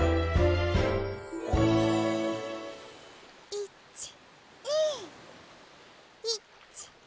１２１２。